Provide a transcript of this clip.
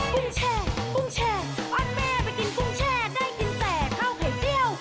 กุ้งแช่กุ้งแช่วันแม่ไปกินกุ้งแช่ได้กินแต่ข้าวไข่เจียว